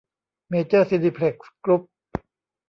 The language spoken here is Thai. เมเจอร์ ซีนีเพล็กซ์ กรุ้ป